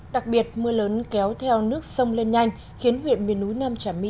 đặc biệt mưa lớn kéo theo nước sông lên nhanh khiến huyện miền núi nam trà my